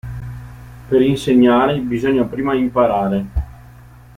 Per insegnare bisogna prima imparare.